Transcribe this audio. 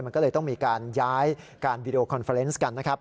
มันก็เลยต้องมีการย้ายการวีดีโอคอนเฟอร์เนสกันนะครับ